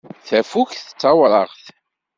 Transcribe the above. Tafukt d tawraɣt.